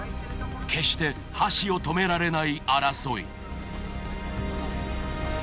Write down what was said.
決して箸を止められない争い。